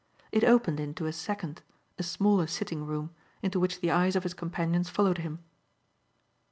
It opened into a second, a smaller sitting room, into which the eyes of his companions followed him.